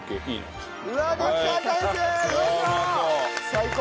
最高。